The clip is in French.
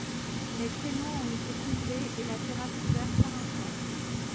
Les créneaux ont été comblés et la terrasse couverte par un toit.